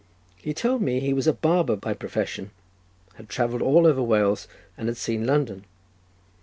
He told me he was a barber by profession, had travelled all over Wales, and had seen London.